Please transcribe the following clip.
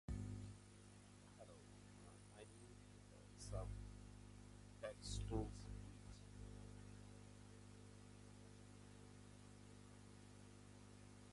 He also entrusted him with diplomatic negotiations with Flanders and England.